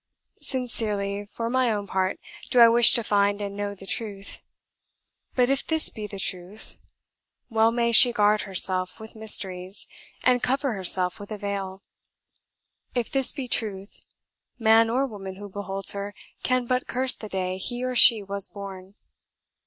"Sincerely, for my own part, do I wish to find and know the Truth; but if this be Truth, well may she guard herself with mysteries, and cover herself with a veil. If this be Truth, man or woman who beholds her can but curse the day he or she was born.